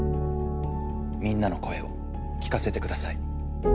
みんなの声を聞かせて下さい。